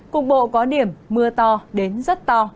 cục bộ có điểm mưa to đến rất to